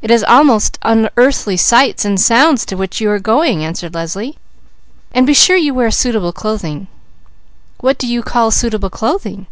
"It is almost unearthly sights and sounds to which you are going," answered Leslie. "And be sure you wear suitable clothing." "What do you call suitable clothing?"